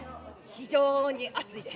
非常に、暑いです。